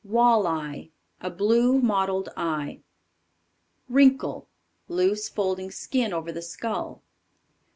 Wall eye. A blue mottled eye. Wrinkle. Loose folding skin over the skull.